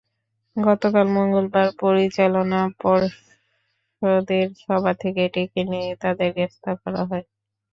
গতকাল মঙ্গলবার পরিচালনা পর্ষদের সভা থেকে ডেকে নিয়ে তাঁদের গ্রেপ্তার করা হয়।